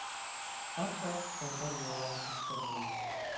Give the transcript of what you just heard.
Ап-аҡ ҡарҙар яуа күктәрҙән...